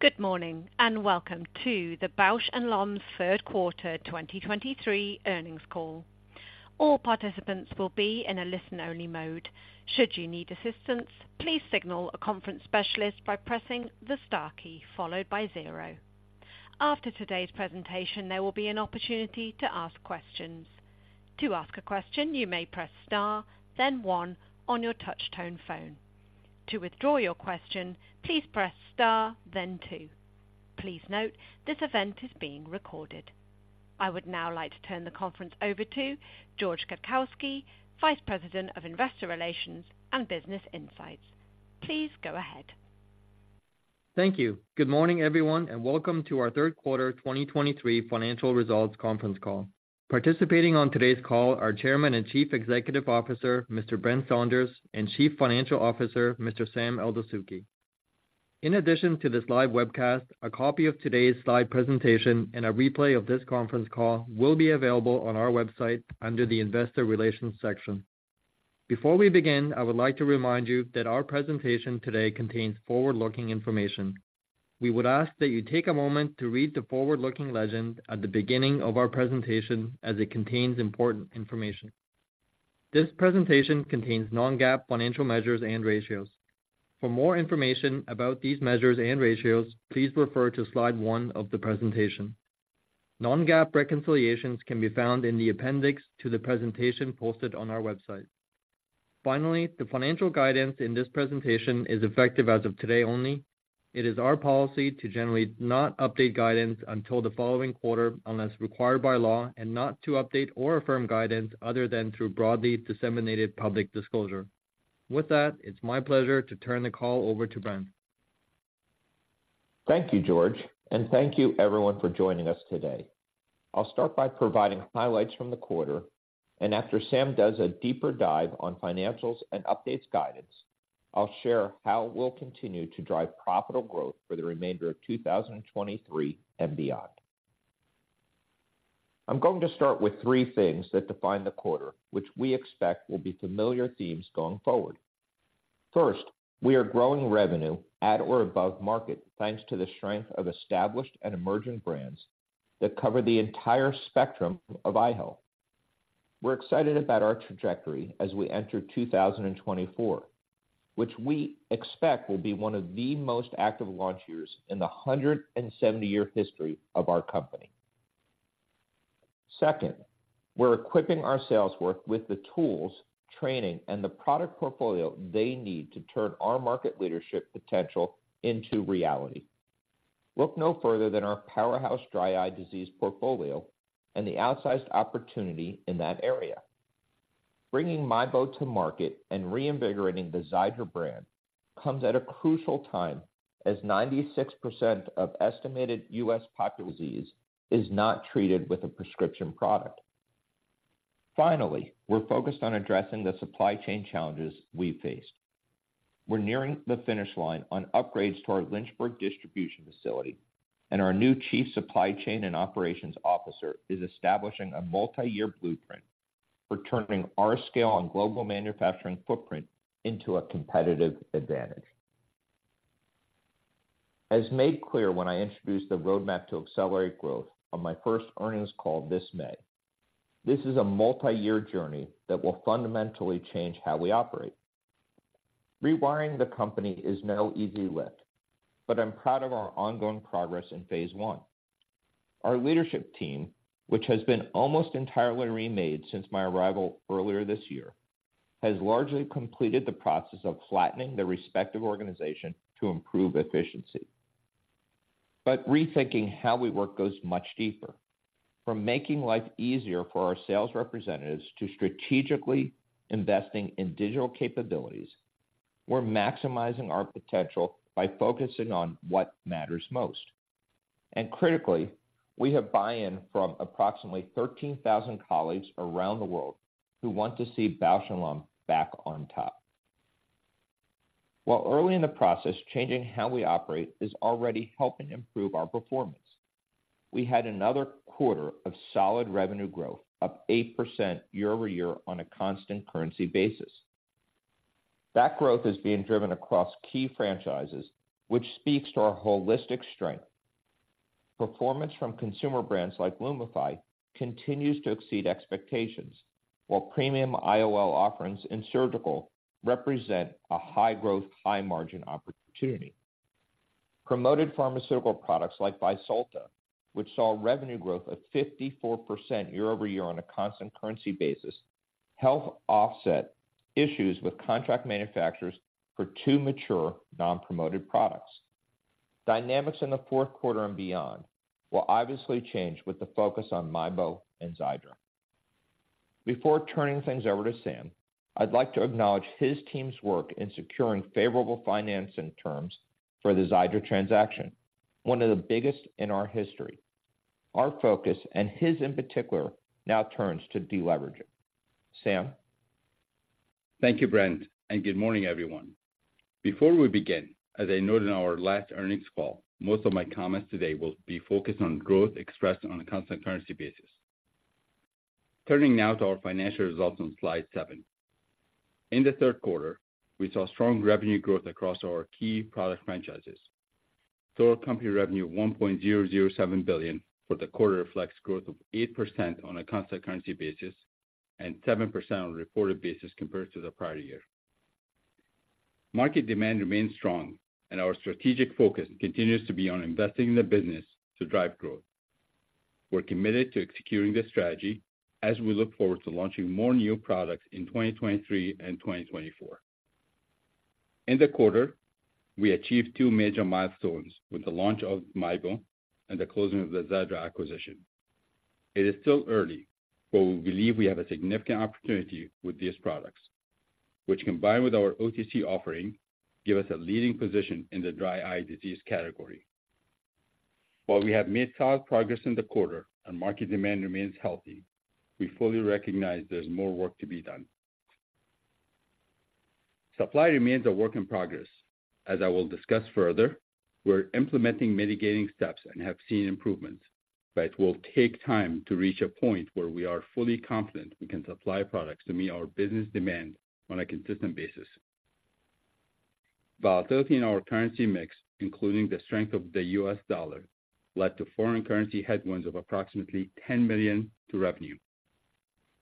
Good morning, and welcome to the Bausch + Lomb's third quarter 2023 earnings call. All participants will be in a listen-only mode. Should you need assistance, please signal a conference specialist by pressing the star key, followed by zero. After today's presentation, there will be an opportunity to ask questions. To ask a question, you may press Star, then One on your touchtone phone. To withdraw your question, please press Star, then Two. Please note, this event is being recorded. I would now like to turn the conference over to George Grochowski, Vice President of Investor Relations and Business Insights. Please go ahead. Thank you. Good morning, everyone, and welcome to our third quarter 2023 financial results conference call. Participating on today's call are Chairman and Chief Executive Officer, Mr. Brent Saunders, and Chief Financial Officer, Mr. Sam Eldessouky. In addition to this live webcast, a copy of today's slide presentation and a replay of this conference call will be available on our website under the Investor Relations section. Before we begin, I would like to remind you that our presentation today contains forward-looking information. We would ask that you take a moment to read the forward-looking legend at the beginning of our presentation, as it contains important information. This presentation contains non-GAAP financial measures and ratios. For more information about these measures and ratios, please refer to slide 1 of the presentation. Non-GAAP reconciliations can be found in the appendix to the presentation posted on our website. Finally, the financial guidance in this presentation is effective as of today only. It is our policy to generally not update guidance until the following quarter, unless required by law, and not to update or affirm guidance other than through broadly disseminated public disclosure. With that, it's my pleasure to turn the call over to Brent. Thank you, George, and thank you everyone for joining us today. I'll start by providing highlights from the quarter, and after Sam does a deeper dive on financials and updates guidance, I'll share how we'll continue to drive profitable growth for the remainder of 2023 and beyond. I'm going to start with three things that define the quarter, which we expect will be familiar themes going forward. First, we are growing revenue at or above market, thanks to the strength of established and emerging brands that cover the entire spectrum of eye health. We're excited about our trajectory as we enter 2024, which we expect will be one of the most active launch years in the 170-year history of our company. Second, we're equipping our sales work with the tools, training, and the product portfolio they need to turn our market leadership potential into reality. Look no further than our powerhouse dry eye disease portfolio and the outsized opportunity in that area. Bringing MIEBO to market and reinvigorating the Xiidra brand comes at a crucial time, as 96% of estimated U.S. population disease is not treated with a prescription product. Finally, we're focused on addressing the supply chain challenges we faced. We're nearing the finish line on upgrades to our Lynchburg distribution facility, and our new chief supply chain and operations officer is establishing a multi-year blueprint for turning our scale and global manufacturing footprint into a competitive advantage. As made clear when I introduced the roadmap to accelerate growth on my first earnings call this May, this is a multi-year journey that will fundamentally change how we operate. Rewiring the company is no easy lift, but I'm proud of our ongoing progress in phase one. Our leadership team, which has been almost entirely remade since my arrival earlier this year, has largely completed the process of flattening the respective organization to improve efficiency. But rethinking how we work goes much deeper. From making life easier for our sales representatives to strategically investing in digital capabilities, we're maximizing our potential by focusing on what matters most. And critically, we have buy-in from approximately 13,000 colleagues around the world who want to see Bausch + Lomb back on top. While early in the process, changing how we operate is already helping improve our performance. We had another quarter of solid revenue growth, up 8% year-over-year on a constant currency basis. That growth is being driven across key franchises, which speaks to our holistic strength. Performance from consumer brands like Lumify continues to exceed expectations, while premium IOL offerings in surgical represent a high-growth, high-margin opportunity. Promoted pharmaceutical products like Vyzulta, which saw revenue growth of 54% year-over-year on a constant currency basis, help offset issues with contract manufacturers for two mature non-promoted products. Dynamics in the fourth quarter and beyond will obviously change with the focus on MIEBO and Xiidra. Before turning things over to Sam, I'd like to acknowledge his team's work in securing favorable financing terms for the Xiidra transaction, one of the biggest in our history. Our focus, and his in particular, now turns to deleveraging. Sam? Thank you, Brent, and good morning, everyone. Before we begin, as I noted in our last earnings call, most of my comments today will be focused on growth expressed on a Constant Currency basis.... Turning now to our financial results on slide 7. In the third quarter, we saw strong revenue growth across our key product franchises. Total company revenue of $1.007 billion for the quarter reflects growth of 8% on a constant currency basis, and 7% on a reported basis compared to the prior year. Market demand remains strong, and our strategic focus continues to be on investing in the business to drive growth. We're committed to executing this strategy as we look forward to launching more new products in 2023 and 2024. In the quarter, we achieved two major milestones with the launch of MIEBO and the closing of the Xiidra acquisition. It is still early, but we believe we have a significant opportunity with these products, which, combined with our OTC offering, give us a leading position in the dry eye disease category. While we have made solid progress in the quarter and market demand remains healthy, we fully recognize there's more work to be done. Supply remains a work in progress. As I will discuss further, we're implementing mitigating steps and have seen improvements, but it will take time to reach a point where we are fully confident we can supply products to meet our business demand on a consistent basis. Volatility in our currency mix, including the strength of the US dollar, led to foreign currency headwinds of approximately $10 million to revenue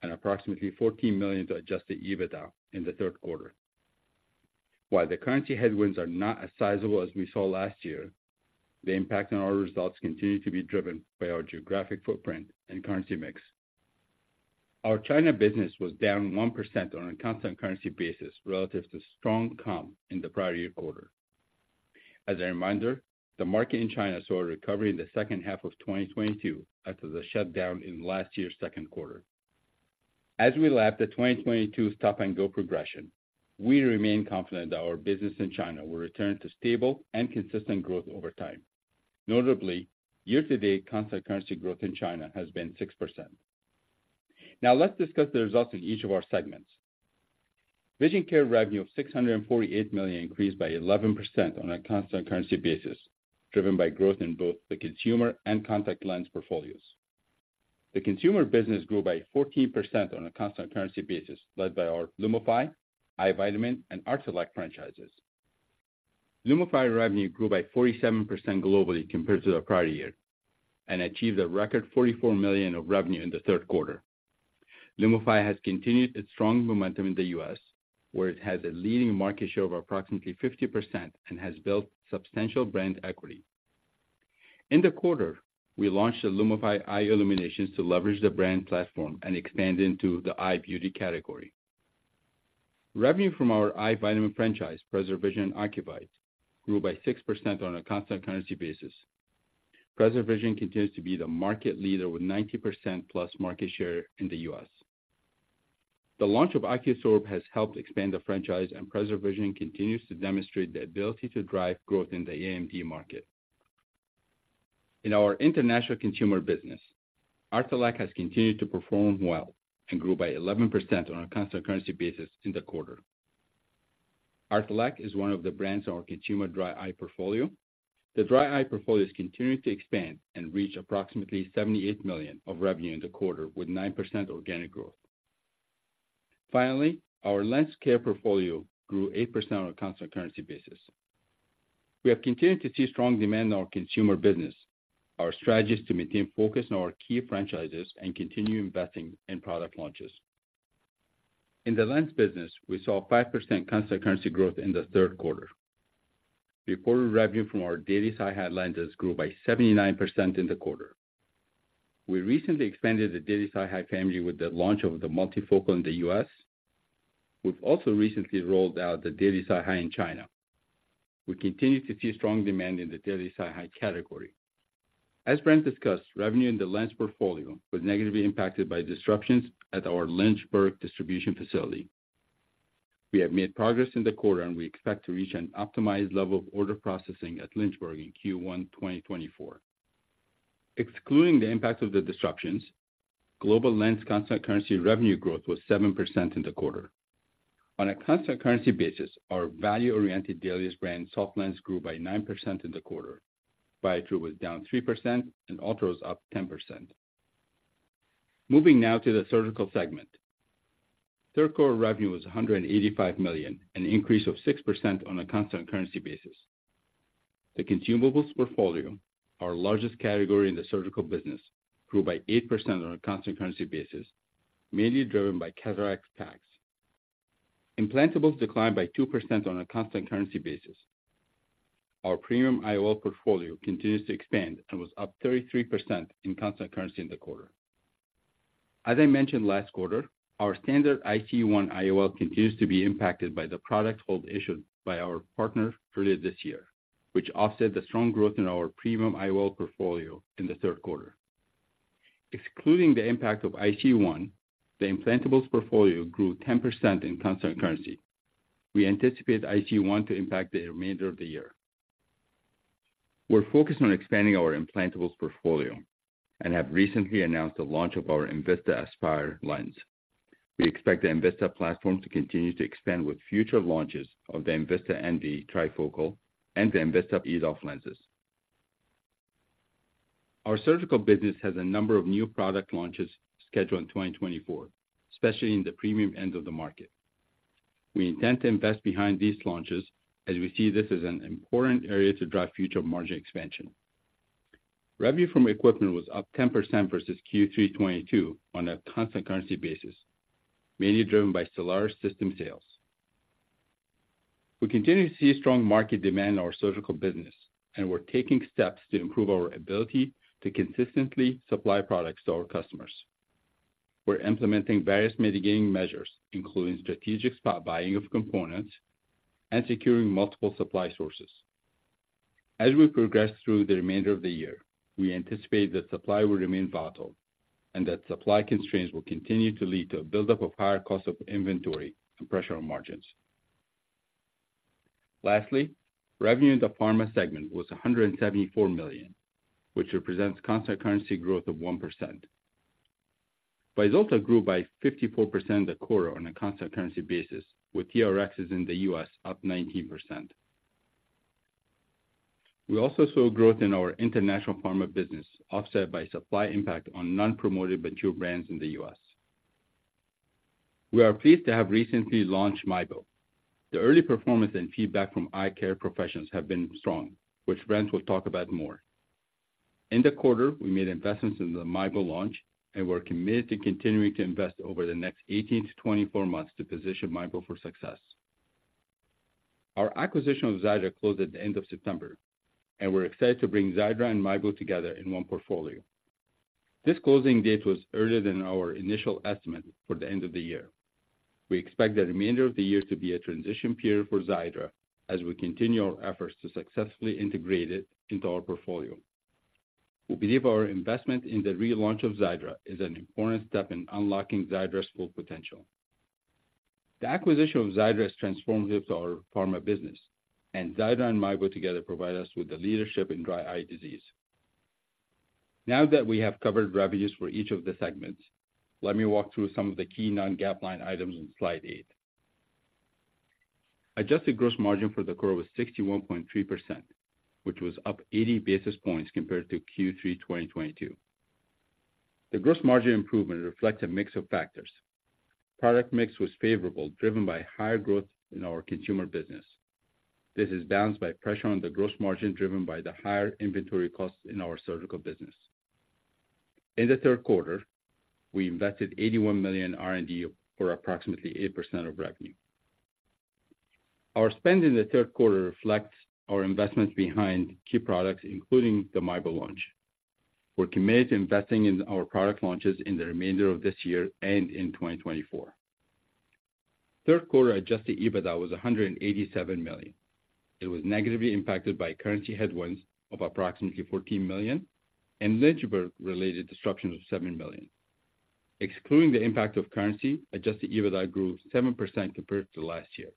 and approximately $14 million to Adjusted EBITDA in the third quarter. While the currency headwinds are not as sizable as we saw last year, the impact on our results continue to be driven by our geographic footprint and currency mix. Our China business was down 1% on a constant currency basis relative to strong comp in the prior year quarter. As a reminder, the market in China saw a recovery in the second half of 2022 after the shutdown in last year's second quarter. As we lap the 2022 stop-and-go progression, we remain confident that our business in China will return to stable and consistent growth over time. Notably, year-to-date constant currency growth in China has been 6%. Now, let's discuss the results in each of our segments. Vision care revenue of $648 million increased by 11% on a constant currency basis, driven by growth in both the consumer and contact lens portfolios. The consumer business grew by 14% on a Constant Currency basis, led by our Lumify, eye vitamin, and Artelac franchises. Lumify revenue grew by 47% globally compared to the prior year and achieved a record $44 million of revenue in the third quarter. Lumify has continued its strong momentum in the U.S., where it has a leading market share of approximately 50% and has built substantial brand equity. In the quarter, we launched the Lumify Eye Illuminations to leverage the brand platform and expand into the eye beauty category. Revenue from our eye vitamin franchise, PreserVision AREDS vitamins, grew by 6% on a Constant Currency basis. PreserVision continues to be the market leader with 90%+ market share in the U.S. The launch of Ocuvite has helped expand the franchise, and PreserVision continues to demonstrate the ability to drive growth in the AMD market. In our international consumer business, Artelac has continued to perform well and grew by 11% on a constant currency basis in the quarter. Artelac is one of the brands in our consumer dry eye portfolio. The dry eye portfolio is continuing to expand and reach approximately $78 million of revenue in the quarter, with 9% organic growth. Finally, our lens care portfolio grew 8% on a constant currency basis. We have continued to see strong demand in our consumer business. Our strategy is to maintain focus on our key franchises and continue investing in product launches. In the lens business, we saw a 5% constant currency growth in the third quarter. Reported revenue from our daily SiHy lenses grew by 79% in the quarter. We recently expanded the daily SiHy family with the launch of the multifocal in the U.S. We've also recently rolled out the Daily SiHy in China. We continue to see strong demand in the Daily SiHy category. As Brent discussed, revenue in the lens portfolio was negatively impacted by disruptions at our Lynchburg distribution facility. We have made progress in the quarter, and we expect to reach an optimized level of order processing at Lynchburg in Q1 2024. Excluding the impact of the disruptions, global lens constant currency revenue growth was 7% in the quarter. On a constant currency basis, our value-oriented Dailies brand soft lens grew by 9% in the quarter. Biotrue was down 3%, and ULTRA was up 10%. Moving now to the surgical segment. Third quarter revenue was $185 million, an increase of 6% on a constant currency basis. The consumables portfolio, our largest category in the surgical business, grew by 8% on a constant currency basis, mainly driven by cataract packs. Implantables declined by 2% on a constant currency basis. Our premium IOL portfolio continues to expand and was up 33% in constant currency in the quarter. As I mentioned last quarter, our standard EyeCee One IOL continues to be impacted by the product hold issued by our partner earlier this year, which offset the strong growth in our premium IOL portfolio in the third quarter. Excluding the impact of EyeCee One, the implantables portfolio grew 10% in constant currency. We anticipate EyeCee One to impact the remainder of the year. We're focused on expanding our implantables portfolio and have recently announced the launch of our enVista Aspire lens. We expect the enVista platform to continue to expand with future launches of the enVista Envy trifocal and the enVista EDOF lenses. Our surgical business has a number of new product launches scheduled in 2024, especially in the premium end of the market. We intend to invest behind these launches, as we see this as an important area to drive future margin expansion. Revenue from equipment was up 10% versus Q3 2022 on a constant currency basis, mainly driven by Stellaris system sales. We continue to see strong market demand in our surgical business, and we're taking steps to improve our ability to consistently supply products to our customers. We're implementing various mitigating measures, including strategic spot buying of components and securing multiple supply sources. As we progress through the remainder of the year, we anticipate that supply will remain volatile, and that supply constraints will continue to lead to a buildup of higher cost of inventory and pressure on margins. Lastly, revenue in the pharma segment was $174 million, which represents constant currency growth of 1%. Vyzulta grew by 54% in the quarter on a constant currency basis, with TRxs in the U.S. up 19%. We also saw growth in our international pharma business, offset by supply impact on non-promoted mature brands in the U.S.. We are pleased to have recently launched MIEBO. The early performance and feedback from eye care professionals have been strong, which Brent will talk about more. In the quarter, we made investments in the MIEBO launch, and we're committed to continuing to invest over the next 18-24 months to position MIEBO for success. Our acquisition of Xiidra closed at the end of September, and we're excited to bring Xiidra and MIEBO together in one portfolio. This closing date was earlier than our initial estimate for the end of the year. We expect the remainder of the year to be a transition period for Xiidra, as we continue our efforts to successfully integrate it into our portfolio. We believe our investment in the relaunch of Xiidra is an important step in unlocking Xiidra's full potential. The acquisition of Xiidra is transformative to our pharma business, and Xiidra and MIEBO together provide us with the leadership in dry eye disease. Now that we have covered revenues for each of the segments, let me walk through some of the key non-GAAP line items in slide 8. Adjusted gross margin for the quarter was 61.3%, which was up 80 basis points compared to Q3 2022. The gross margin improvement reflects a mix of factors. Product mix was favorable, driven by higher growth in our consumer business. This is balanced by pressure on the gross margin, driven by the higher inventory costs in our surgical business. In the third quarter, we invested $81 million in R&D, or approximately 8% of revenue. Our spend in the third quarter reflects our investments behind key products, including the MIEBO launch. We're committed to investing in our product launches in the remainder of this year and in 2024. Third quarter adjusted EBITDA was $187 million. It was negatively impacted by currency headwinds of approximately $14 million and Lynchburg-related disruptions of $7 million. Excluding the impact of currency, adjusted EBITDA grew 7% compared to last year.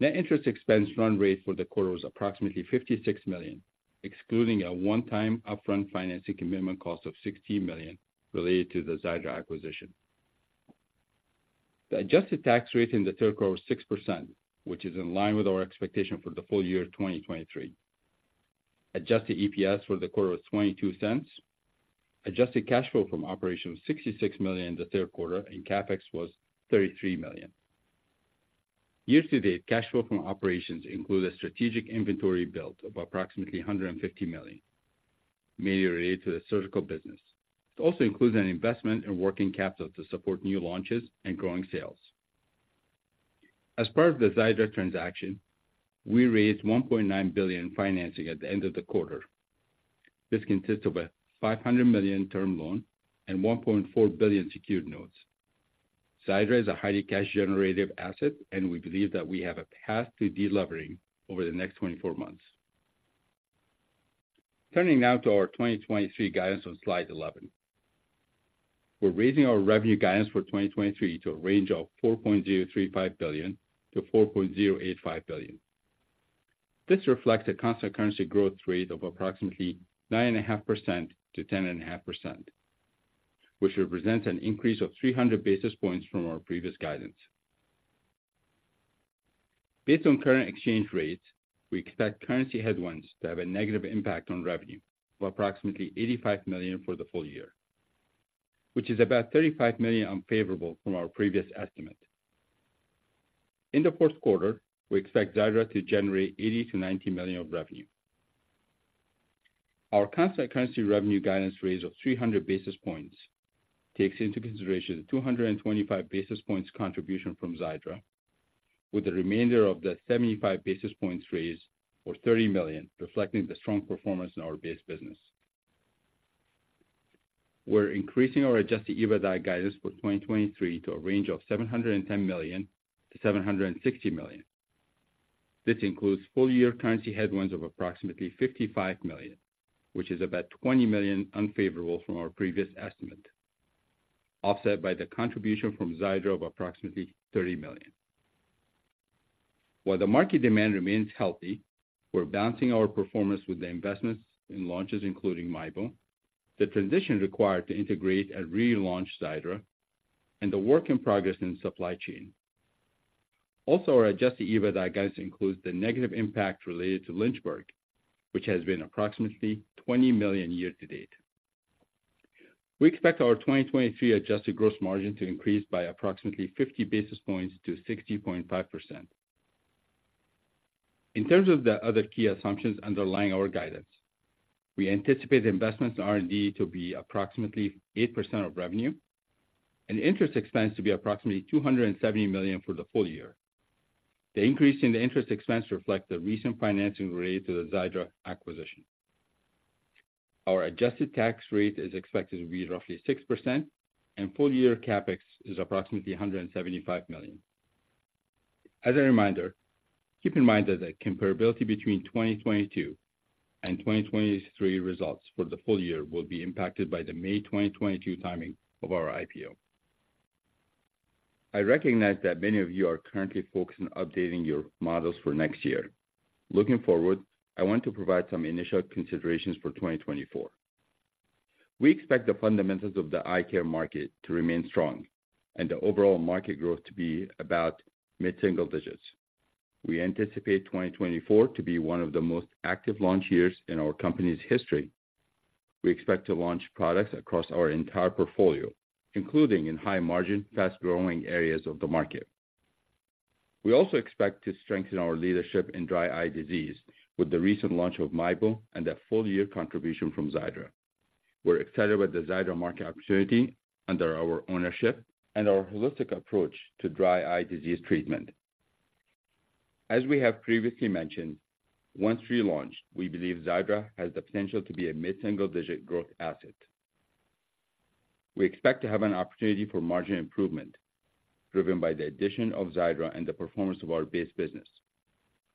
Net interest expense run rate for the quarter was approximately $56 million, excluding a one-time upfront financing commitment cost of $16 million related to the Xiidra acquisition. The adjusted tax rate in the third quarter was 6%, which is in line with our expectation for the full year 2023. Adjusted EPS for the quarter was $0.22. Adjusted cash flow from operations was $66 million in the third quarter, and CapEx was $33 million. Year-to-date, cash flow from operations include a strategic inventory build of approximately $150 million, mainly related to the surgical business. It also includes an investment in working capital to support new launches and growing sales. As part of the Xiidra transaction, we raised $1.9 billion in financing at the end of the quarter. This consists of a $500 million term loan and $1.4 billion secured notes. Xiidra is a highly cash-generative asset, and we believe that we have a path to delevering over the next 24 months. Turning now to our 2023 guidance on slide 11. We're raising our revenue guidance for 2023 to a range of $4.035 billion-$4.085 billion. This reflects a constant currency growth rate of approximately 9.5%-10.5%, which represents an increase of 300 basis points from our previous guidance. Based on current exchange rates, we expect currency headwinds to have a negative impact on revenue of approximately $85 million for the full year, which is about $35 million unfavorable from our previous estimate. In the fourth quarter, we expect Xiidra to generate $80-$90 million of revenue. Our constant currency revenue guidance raise of 300 basis points takes into consideration the 225 basis points contribution from Xiidra, with the remainder of the 75 basis points raise, or $30 million, reflecting the strong performance in our base business. We're increasing our Adjusted EBITDA guidance for 2023 to a range of $710 million-$760 million. This includes full-year currency headwinds of approximately $55 million, which is about $20 million unfavorable from our previous estimate, offset by the contribution from Xiidra of approximately $30 million. While the market demand remains healthy, we're balancing our performance with the investments in launches, including MIEBO, the transition required to integrate and relaunch Xiidra, and the work in progress in supply chain. Also, our adjusted EBITDA guidance includes the negative impact related to Lynchburg, which has been approximately $20 million year-to-date. We expect our 2023 adjusted gross margin to increase by approximately 50 basis points to 60.5%. In terms of the other key assumptions underlying our guidance, we anticipate investments in R&D to be approximately 8% of revenue and interest expense to be approximately $270 million for the full year. The increase in the interest expense reflects the recent financing related to the Xiidra acquisition. Our adjusted tax rate is expected to be roughly 6%, and full-year CapEx is approximately $175 million. As a reminder, keep in mind that the comparability between 2022 and 2023 results for the full year will be impacted by the May 2022 timing of our IPO. I recognize that many of you are currently focused on updating your models for next year. Looking forward, I want to provide some initial considerations for 2024. We expect the fundamentals of the eye care market to remain strong and the overall market growth to be about mid-single digits. We anticipate 2024 to be one of the most active launch years in our company's history. We expect to launch products across our entire portfolio, including in high-margin, fast-growing areas of the market. We also expect to strengthen our leadership in dry eye disease with the recent launch of MIEBO and a full-year contribution from Xiidra. We're excited about the Xiidra market opportunity under our ownership and our holistic approach to dry eye disease treatment. As we have previously mentioned, once relaunched, we believe Xiidra has the potential to be a mid-single-digit growth asset. We expect to have an opportunity for margin improvement, driven by the addition of Xiidra and the performance of our base business,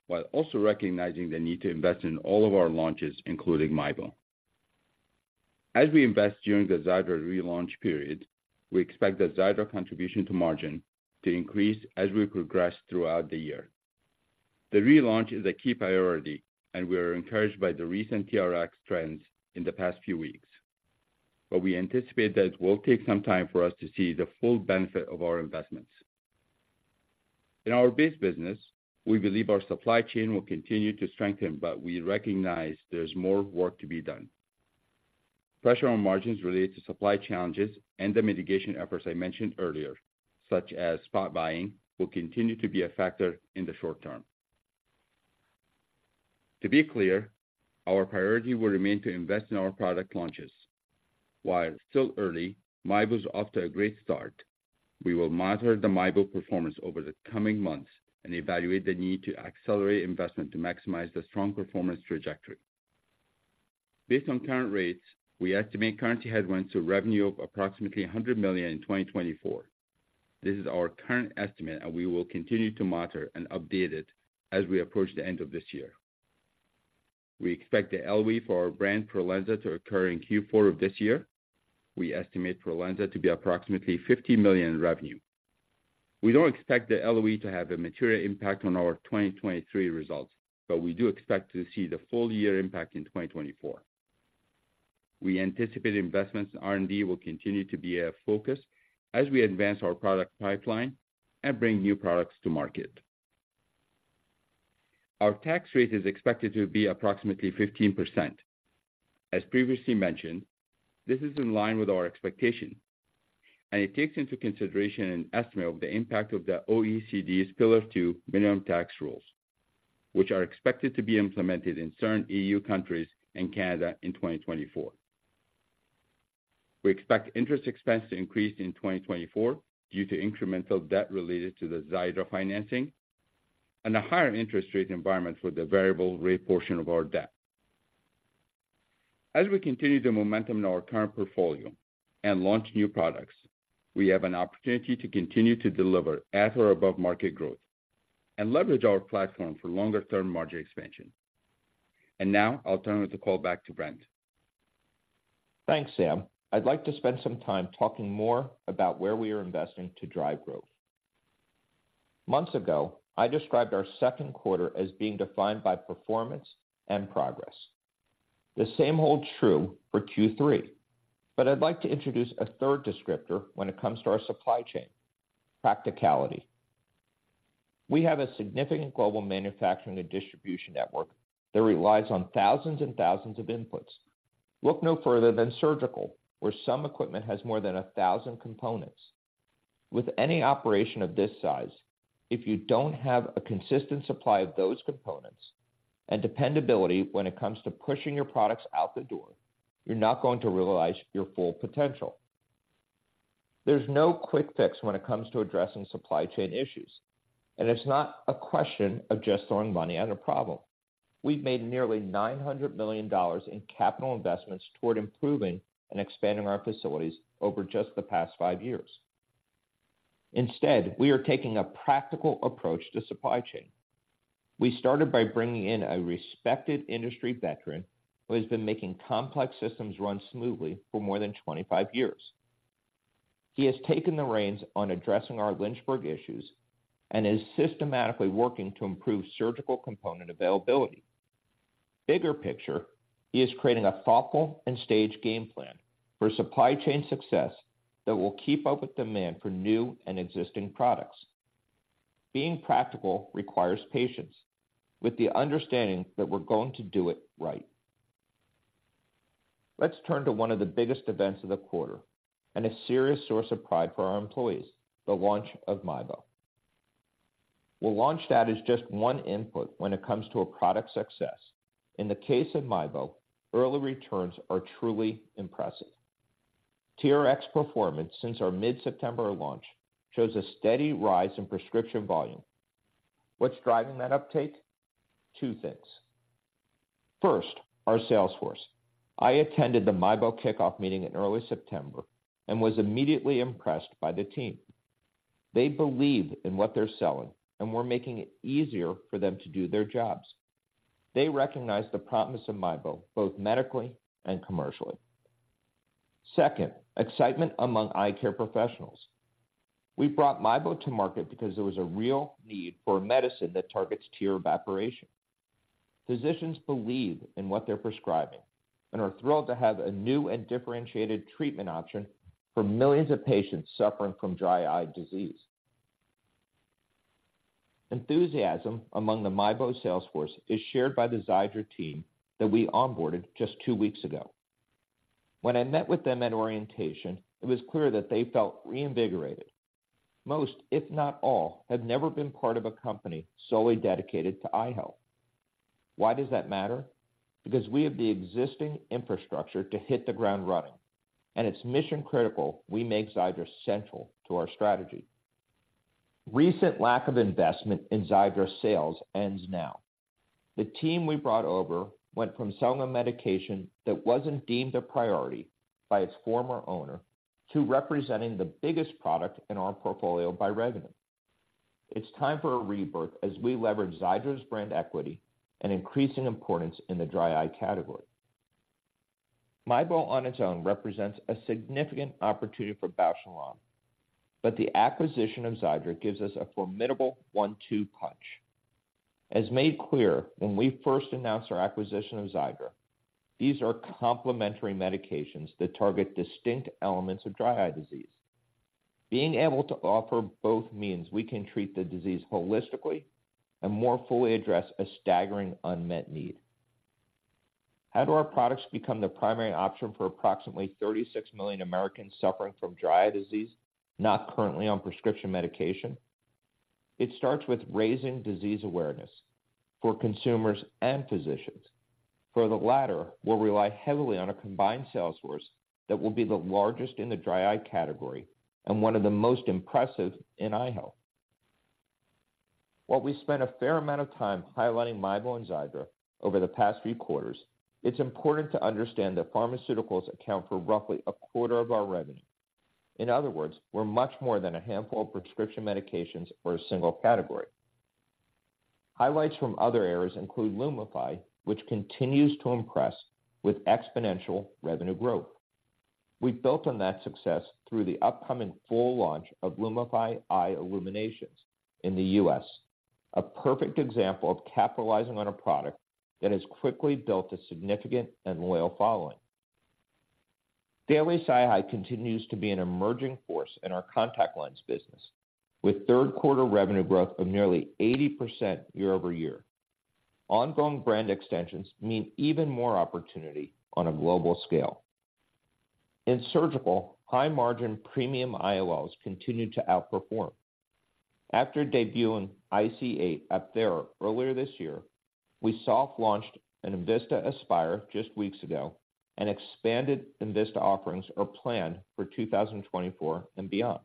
while also recognizing the need to invest in all of our launches, including MIEBO. As we invest during the Xiidra relaunch period, we expect the Xiidra contribution to margin to increase as we progress throughout the year. The relaunch is a key priority, and we are encouraged by the recent TRx trends in the past few weeks, but we anticipate that it will take some time for us to see the full benefit of our investments. In our base business, we believe our supply chain will continue to strengthen, but we recognize there's more work to be done. Pressure on margins related to supply challenges and the mitigation efforts I mentioned earlier, such as spot buying, will continue to be a factor in the short term. To be clear, our priority will remain to invest in our product launches. While still early, MIEBO is off to a great start. We will monitor the MIEBO performance over the coming months and evaluate the need to accelerate investment to maximize the strong performance trajectory. Based on current rates, we estimate currency headwinds to revenue of approximately $100 million in 2024. This is our current estimate, and we will continue to monitor and update it as we approach the end of this year. We expect the LOE for our brand Prolensa to occur in Q4 of this year. We estimate Prolensa to be approximately $50 million in revenue. We don't expect the LOE to have a material impact on our 2023 results, but we do expect to see the full year impact in 2024. We anticipate investments in R&D will continue to be a focus as we advance our product pipeline and bring new products to market. Our tax rate is expected to be approximately 15%. As previously mentioned, this is in line with our expectation, and it takes into consideration an estimate of the impact of the OECD's Pillar Two minimum tax rules, which are expected to be implemented in certain EU countries and Canada in 2024. We expect interest expense to increase in 2024 due to incremental debt related to the Xiidra financing and a higher interest rate environment for the variable rate portion of our debt. As we continue the momentum in our current portfolio and launch new products, we have an opportunity to continue to deliver at or above-market growth and leverage our platform for longer-term margin expansion. Now I'll turn the call back to Brent. Thanks, Sam. I'd like to spend some time talking more about where we are investing to drive growth. Months ago, I described our second quarter as being defined by performance and progress. The same holds true for Q3, but I'd like to introduce a third descriptor when it comes to our supply chain: practicality. We have a significant global manufacturing and distribution network that relies on thousands and thousands of inputs. Look no further than surgical, where some equipment has more than a thousand components. With any operation of this size, if you don't have a consistent supply of those components and dependability when it comes to pushing your products out the door, you're not going to realize your full potential. There's no quick fix when it comes to addressing supply chain issues, and it's not a question of just throwing money at a problem. We've made nearly $900 million in capital investments toward improving and expanding our facilities over just the past 5 years. Instead, we are taking a practical approach to supply chain. We started by bringing in a respected industry veteran who has been making complex systems run smoothly for more than 25 years. He has taken the reins on addressing our Lynchburg issues and is systematically working to improve surgical component availability.... The bigger picture is creating a thoughtful and staged game plan for supply chain success that will keep up with demand for new and existing products. Being practical requires patience, with the understanding that we're going to do it right. Let's turn to one of the biggest events of the quarter and a serious source of pride for our employees, the launch of MIEBO. We'll launch that as just one input when it comes to a product success. In the case of MIEBO, early returns are truly impressive. TRx performance since our mid-September launch, shows a steady rise in prescription volume. What's driving that uptake? Two things. First, our sales force. I attended the MIEBO kickoff meeting in early September and was immediately impressed by the team. They believe in what they're selling, and we're making it easier for them to do their jobs. They recognize the promise of MIEBO, both medically and commercially. Second, excitement among eye care professionals. We brought MIEBO to market because there was a real need for a medicine that targets tear evaporation. Physicians believe in what they're prescribing and are thrilled to have a new and differentiated treatment option for millions of patients suffering from dry eye disease. Enthusiasm among the MIEBO sales force is shared by the Xiidra team that we onboarded just two weeks ago. When I met with them at orientation, it was clear that they felt reinvigorated. Most, if not all, had never been part of a company solely dedicated to eye health. Why does that matter? Because we have the existing infrastructure to hit the ground running, and it's mission critical we make Xiidra central to our strategy. Recent lack of investment in Xiidra sales ends now. The team we brought over went from selling a medication that wasn't deemed a priority by its former owner, to representing the biggest product in our portfolio by revenue. It's time for a rebirth as we leverage Xiidra's brand equity and increasing importance in the dry eye category. MIEBO, on its own, represents a significant opportunity for Bausch + Lomb, but the acquisition of Xiidra gives us a formidable one-two punch. As made clear when we first announced our acquisition of Xiidra, these are complementary medications that target distinct elements of dry eye disease. Being able to offer both means we can treat the disease holistically and more fully address a staggering unmet need. How do our products become the primary option for approximately 36 million Americans suffering from dry eye disease, not currently on prescription medication? It starts with raising disease awareness for consumers and physicians. For the latter, we'll rely heavily on a combined sales force that will be the largest in the dry eye category and one of the most impressive in eye health. While we spent a fair amount of time highlighting MIEBO and Xiidra over the past few quarters, it's important to understand that pharmaceuticals account for roughly a quarter of our revenue. In other words, we're much more than a handful of prescription medications or a single category. Highlights from other areas include Lumify, which continues to impress with exponential revenue growth. We've built on that success through the upcoming full launch of Lumify Eye Illuminations in the U.S., a perfect example of capitalizing on a product that has quickly built a significant and loyal following. Daily SiHy continues to be an emerging force in our contact lens business, with third quarter revenue growth of nearly 80% year-over-year. Ongoing brand extensions mean even more opportunity on a global scale. In surgical, high-margin premium IOLs continued to outperform. After debuting IC-8 Apthera earlier this year, we soft-launched enVista Aspire just weeks ago, and expanded enVista offerings or plan for 2024 and beyond.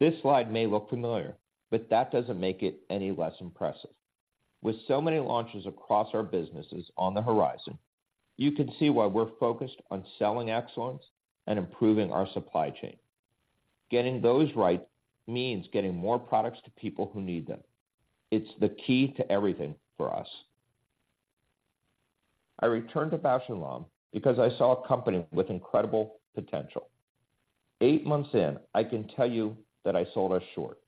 This slide may look familiar, but that doesn't make it any less impressive. With so many launches across our businesses on the horizon, you can see why we're focused on selling excellence and improving our supply chain. Getting those right means getting more products to people who need them. It's the key to everything for us. I returned to Bausch + Lomb because I saw a company with incredible potential. Eight months in, I can tell you that I sold us short.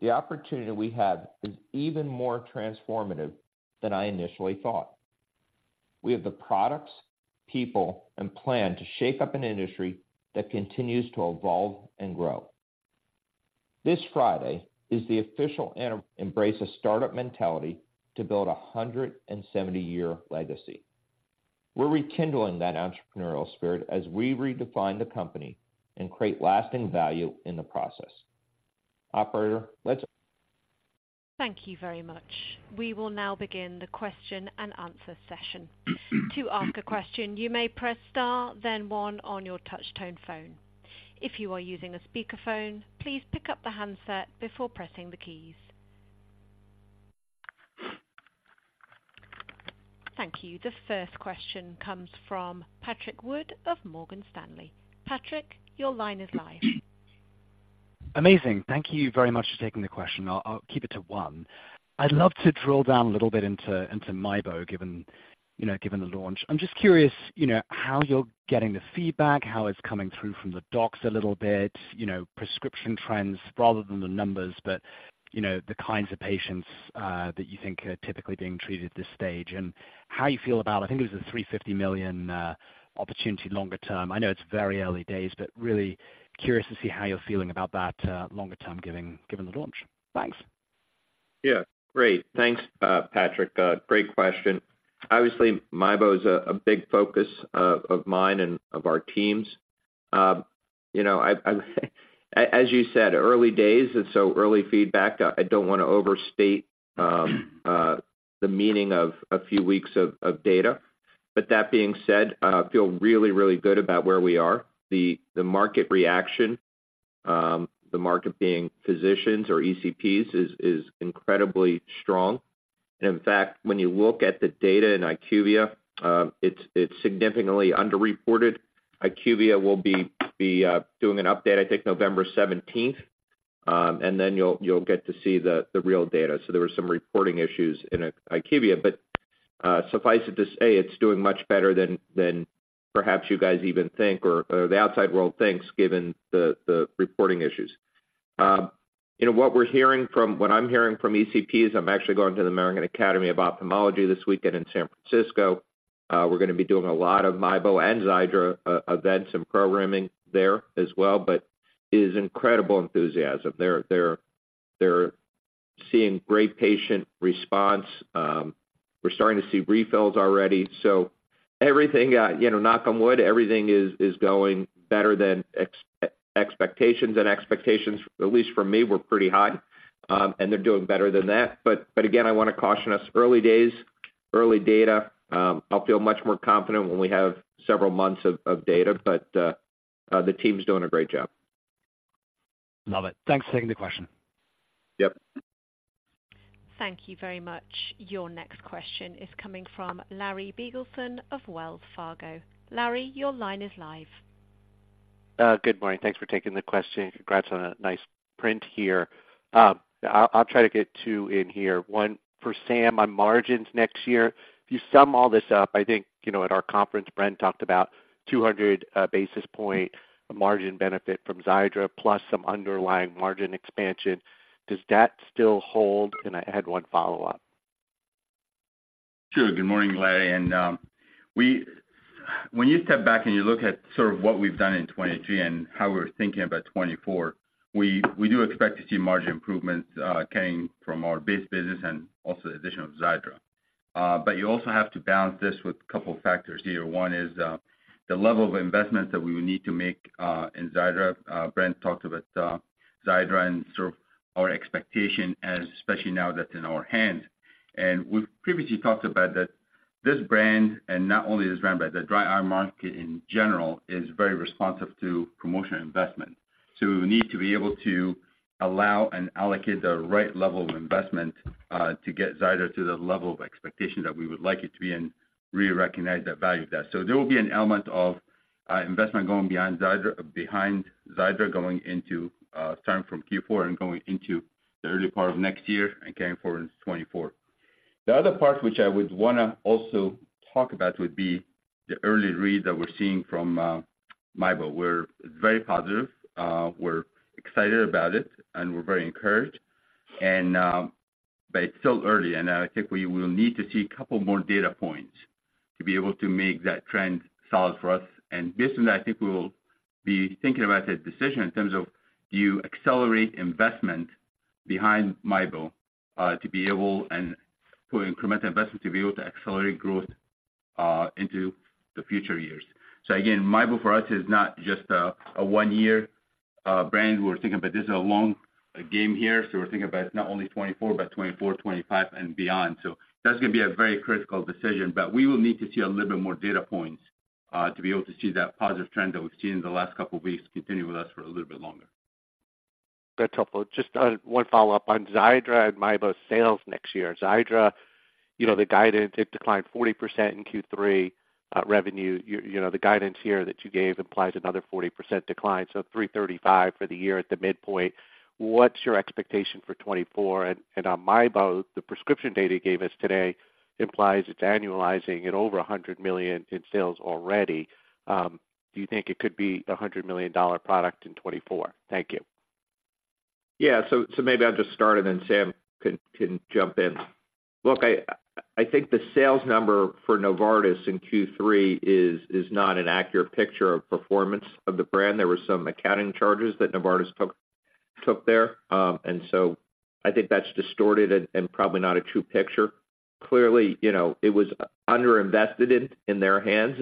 The opportunity we have is even more transformative than I initially thought. We have the products, people, and plan to shape up an industry that continues to evolve and grow. This Friday is the official embrace a startup mentality to build a 170-year legacy. We're rekindling that entrepreneurial spirit as we redefine the company and create lasting value in the process. Operator, let's- Thank you very much. We will now begin the question-and-answer session. To ask a question, you may press star, then one on your touch tone phone. If you are using a speakerphone, please pick up the handset before pressing the keys. Thank you. The first question comes from Patrick Wood of Morgan Stanley. Patrick, your line is live.... Amazing. Thank you very much for taking the question. I'll keep it to one. I'd love to drill down a little bit into MIEBO, given, you know, given the launch. I'm just curious, you know, how you're getting the feedback, how it's coming through from the docs a little bit, you know, prescription trends rather than the numbers, but, you know, the kinds of patients that you think are typically being treated at this stage and how you feel about, I think it was a $350 million opportunity longer term. I know it's very early days, but really curious to see how you're feeling about that longer term, given the launch. Thanks. Yeah, great. Thanks, Patrick. Great question. Obviously, MIEBO is a big focus of mine and of our teams. You know, I as you said, early days, and so early feedback. I don't wanna overstate the meaning of a few weeks of data. But that being said, I feel really, really good about where we are. The market reaction, the market being physicians or ECPs, is incredibly strong. And in fact, when you look at the data in IQVIA, it's significantly underreported. IQVIA will be doing an update, I think, November seventeenth, and then you'll get to see the real data. So there were some reporting issues in IQVIA, but suffice it to say, it's doing much better than perhaps you guys even think, or the outside world thinks, given the reporting issues. You know, what I'm hearing from ECP is I'm actually going to the American Academy of Ophthalmology this weekend in San Francisco. We're gonna be doing a lot of MIEBO and Xiidra events and programming there as well, but it is incredible enthusiasm. They're seeing great patient response. We're starting to see refills already. So everything, you know, knock on wood, everything is going better than expectations. And expectations, at least for me, were pretty high, and they're doing better than that. But again, I wanna caution us, early days, early data. I'll feel much more confident when we have several months of data, but the team's doing a great job. Love it. Thanks for taking the question. Yep. Thank you very much. Your next question is coming from Larry Biegelsen of Wells Fargo. Larry, your line is live. Good morning. Thanks for taking the question. Congrats on a nice print here. I'll, I'll try to get two in here. One for Sam, on margins next year. If you sum all this up, I think, you know, at our conference, Brent talked about 200 basis point margin benefit from Xiidra plus some underlying margin expansion. Does that still hold? And I had one follow-up. Sure. Good morning, Larry, and we. When you step back and you look at sort of what we've done in 2023 and how we're thinking about 2024, we, we do expect to see margin improvements coming from our base business and also the addition of Xiidra. But you also have to balance this with a couple of factors here. One is the level of investment that we would need to make in Xiidra. Brent talked about Xiidra and sort of our expectation, and especially now that's in our hands. And we've previously talked about that this brand, and not only this brand, but the dry eye market in general, is very responsive to promotional investment. So we need to be able to allow and allocate the right level of investment, to get Xiidra to the level of expectation that we would like it to be and really recognize the value of that. So there will be an element of, investment going beyond Xiidra, behind Xiidra, going into, starting from Q4 and going into the early part of next year and carrying forward into 2024. The other part, which I would wanna also talk about, would be the early read that we're seeing from, MIEBO. We're very positive, we're excited about it, and we're very encouraged. But it's still early, and I think we will need to see a couple more data points to be able to make that trend solid for us. Based on that, I think we will be thinking about a decision in terms of, do you accelerate investment behind MIEBO to be able, and to increment investment to be able to accelerate growth into the future years. So again, MIEBO, for us, is not just a one-year brand. We're thinking about this as a long game here, so we're thinking about not only 2024, but 2024, 2025, and beyond. So that's gonna be a very critical decision, but we will need to see a little bit more data points to be able to see that positive trend that we've seen in the last couple of weeks continue with us for a little bit longer. That's helpful. Just one follow-up on Xiidra and MIEBO sales next year. Xiidra, you know, the guidance, it declined 40% in Q3, revenue. You know, the guidance here that you gave implies another 40% decline, so $335 million for the year at the midpoint. What's your expectation for 2024? And on MIEBO, the prescription data you gave us today implies it's annualizing at over $100 million in sales already. Do you think it could be a $100 million product in 2024? Thank you. Yeah, so maybe I'll just start, and then Sam can jump in. Look, I think the sales number for Novartis in Q3 is not an accurate picture of performance of the brand. There were some accounting charges that Novartis took there. And so I think that's distorted and probably not a true picture. Clearly, you know, it was underinvested in their hands,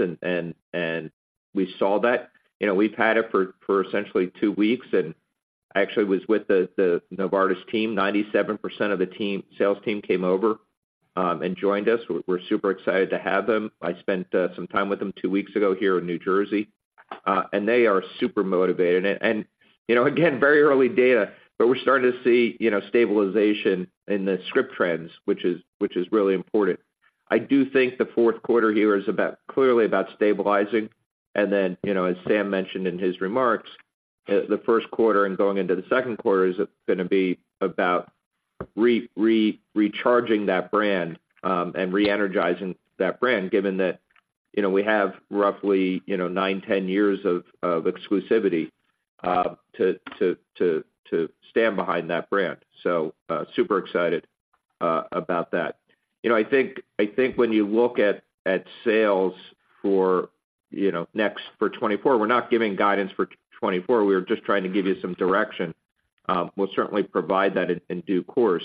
and we saw that. You know, we've had it for essentially two weeks, and I actually was with the Novartis team. 97% of the team, sales team came over, and joined us. We're super excited to have them. I spent some time with them two weeks ago here in New Jersey, and they are super motivated. You know, again, very early data, but we're starting to see, you know, stabilization in the script trends, which is really important. I do think the fourth quarter here is about, clearly about stabilizing. And then, you know, as Sam mentioned in his remarks, the first quarter and going into the second quarter is gonna be about recharging that brand, and re-energizing that brand, given that, you know, we have roughly, you know, 9, 10 years of exclusivity to stand behind that brand. So, super excited about that. You know, I think when you look at sales for next, for 2024, we're not giving guidance for 2024. We are just trying to give you some direction. We'll certainly provide that in due course.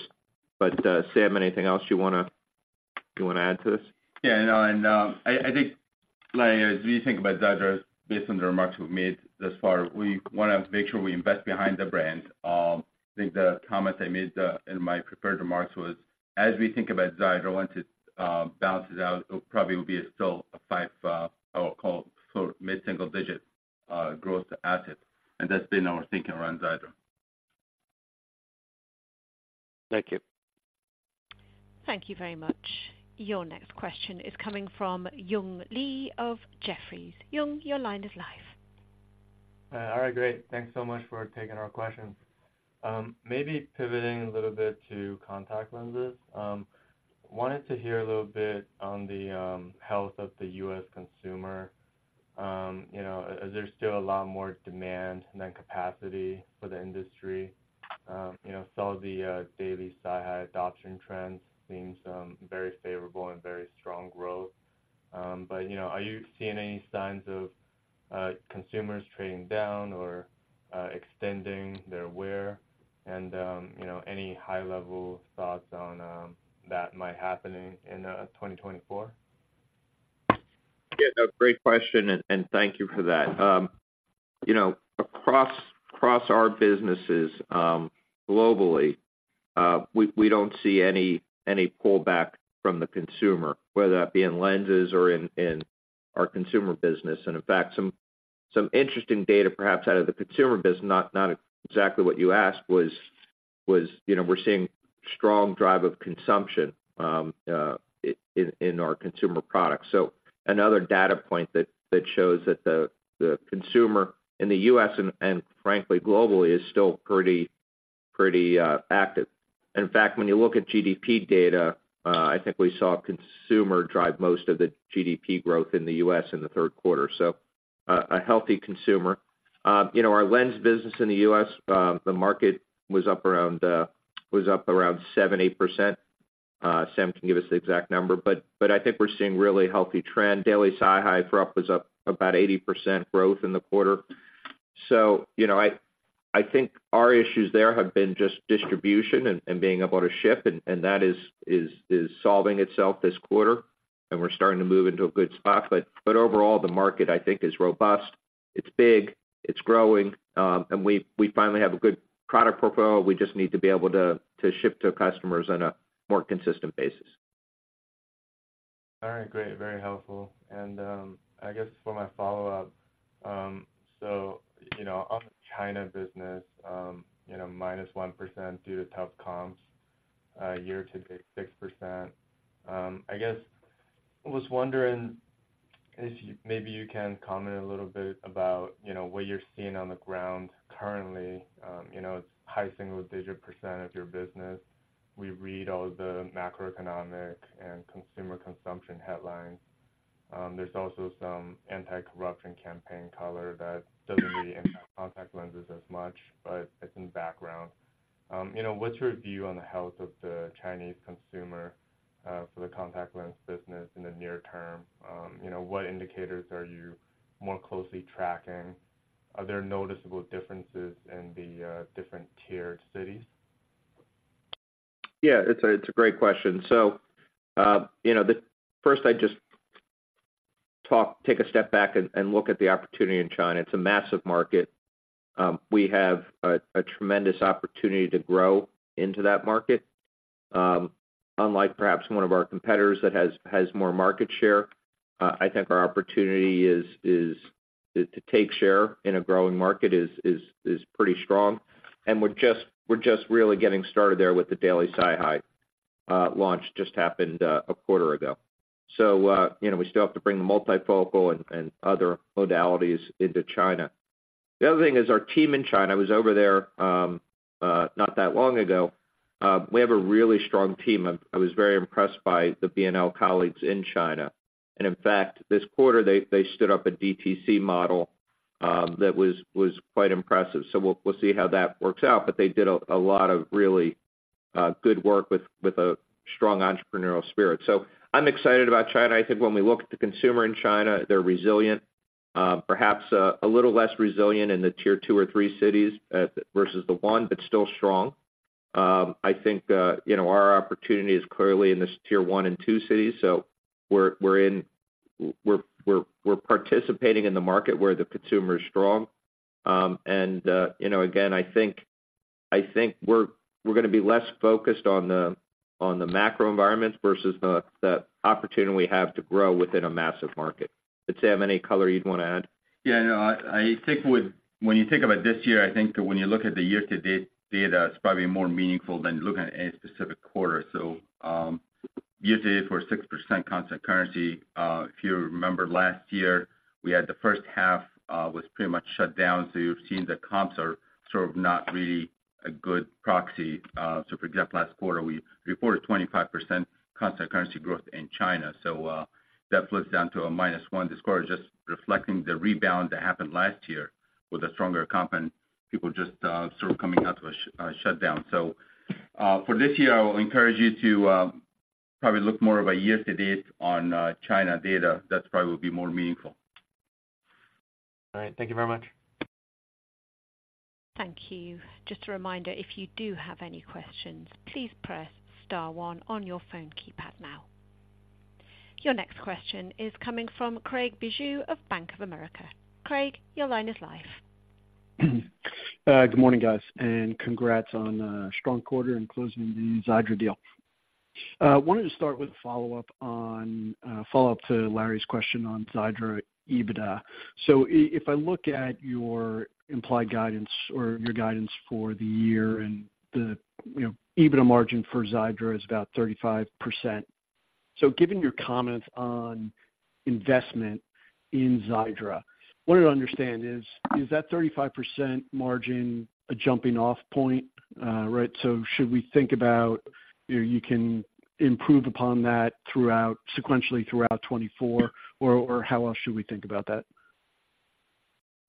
Sam, anything else you wanna add to this? Yeah, no, and, I think, like, as we think about Xiidra, based on the remarks we've made thus far, we wanna make sure we invest behind the brand. I think the comment I made in my prepared remarks was, as we think about Xiidra, once it balances out, it probably will be still a 5 or call, so mid-single digit growth asset. And that's been our thinking around Xiidra. Thank you. Thank you very much. Your next question is coming from Young Li of Jefferies. Young, your line is live. All right, great. Thanks so much for taking our questions. Maybe pivoting a little bit to contact lenses. Wanted to hear a little bit on the health of the U.S. consumer. You know, is there still a lot more demand than capacity for the industry? You know, saw the Daily SiHy adoption trends seem very favorable and very strong growth. But, you know, are you seeing any signs of consumers trading down or extending their wear? And, you know, any high-level thoughts on that might happen in 2024? Yeah, great question, and thank you for that. You know, across our businesses, globally, we don't see any pullback from the consumer, whether that be in lenses or in our consumer business. And in fact, some interesting data, perhaps, out of the consumer business, not exactly what you asked was, you know, we're seeing strong drive of consumption, in our consumer products. So another data point that shows that the consumer in the U.S. and frankly, globally, is still pretty active. In fact, when you look at GDP data, I think we saw consumer drive most of the GDP growth in the U.S. in the third quarter, so a healthy consumer. You know, our lens business in the U.S., the market was up around 7-8%. Sam can give us the exact number, but I think we're seeing really healthy trend. Daily SiHy for us was up about 80% growth in the quarter. So, you know, I think our issues there have been just distribution and being able to ship, and that is solving itself this quarter, and we're starting to move into a good spot. But overall, the market, I think, is robust. It's big, it's growing, and we finally have a good product portfolio. We just need to be able to ship to customers on a more consistent basis. All right, great, very helpful. I guess for my follow-up, so, you know, on the China business, you know, -1% due to tough comps, year to date, 6%. I guess I was wondering if maybe you can comment a little bit about, you know, what you're seeing on the ground currently. You know, it's high single-digit % of your business. We read all the macroeconomic and consumer consumption headlines. There's also some anti-corruption campaign color that doesn't really impact contact lenses as much, but it's in the background. You know, what's your view on the health of the Chinese consumer, for the contact lens business in the near term? You know, what indicators are you more closely tracking? Are there noticeable differences in the different tiered cities? Yeah, it's a great question. So, you know, first, take a step back and look at the opportunity in China. It's a massive market. We have a tremendous opportunity to grow into that market, unlike perhaps one of our competitors that has more market share. I think our opportunity is to take share in a growing market is pretty strong, and we're just really getting started there with the daily SiHy launch, just happened a quarter ago. So, you know, we still have to bring the multifocal and other modalities into China. The other thing is, our team in China, I was over there not that long ago. We have a really strong team. I was very impressed by the B&L colleagues in China. In fact, this quarter, they stood up a DTC model that was quite impressive. So we'll see how that works out. But they did a lot of really good work with a strong entrepreneurial spirit. So I'm excited about China. I think when we look at the consumer in China, they're resilient, perhaps a little less resilient in the tier 2 or 3 cities versus the 1, but still strong. I think you know, our opportunity is clearly in this tier 1 and 2 cities, so we're participating in the market where the consumer is strong. And you know, again, I think we're gonna be less focused on the macro environments versus the opportunity we have to grow within a massive market. But Sam, any color you'd want to add? Yeah, no, I think with—when you think about this year, I think that when you look at the year-to-date data, it's probably more meaningful than looking at any specific quarter. So, year-to-date for 6% Constant Currency, if you remember last year, we had the first half was pretty much shut down. So you've seen the comps are sort of not really a good proxy. So for example, last quarter, we reported 25% Constant Currency growth in China. So, that was down to a -1%. The score is just reflecting the rebound that happened last year with a stronger comp and people just sort of coming out of a shutdown. So, for this year, I will encourage you to probably look more of a year-to-date on China data. That probably will be more meaningful. All right. Thank you very much. Thank you. Just a reminder, if you do have any questions, please press star one on your phone keypad now. Your next question is coming from Craig Bijou of Bank of America. Craig, your line is live. Good morning, guys, and congrats on a strong quarter and closing the Xiidra deal. Wanted to start with a follow-up on follow-up to Larry's question on Xiidra EBITDA. So if I look at your implied guidance or your guidance for the year and the, you know, EBITDA margin for Xiidra is about 35%. So given your comments on investment in Xiidra, wanted to understand, is that 35% margin a jumping-off point? Right, so should we think about, you know, you can improve upon that throughout sequentially throughout 2024, or how else should we think about that?